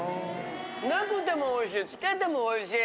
なくてもおいしい。